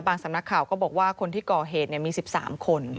สำนักข่าวก็บอกว่าคนที่ก่อเหตุมี๑๓คน